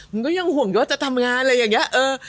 มันก็ยังห่วงเยอะจะทำงานอะไรอย่างนี้